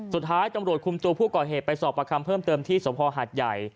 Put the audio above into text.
สุดท้ายตำรวจคุมตัวผู้ก่อเหตุไปสอบประคำเพิ่มเติมที่สภหัดใหญ่